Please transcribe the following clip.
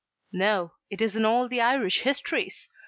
No; it is in all the Irish histories.